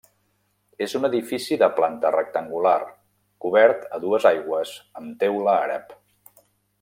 És un edifici de planta rectangular, cobert a dues aigües amb teula àrab.